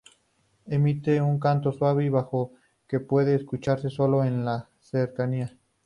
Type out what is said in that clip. Emite un canto suave y bajo que puede escucharse solo en la cercanía.